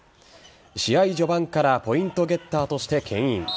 試合序盤からポイントゲッターとしてけん引。